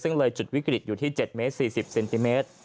ซึ่งเลยจุดวิกฤตอยู่ที่๗เมตร๔๐เซนติเมตร